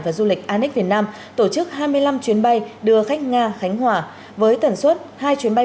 và du lịch annic việt nam tổ chức hai mươi năm chuyến bay đưa khách nga khánh hòa với tần suất hai chuyến bay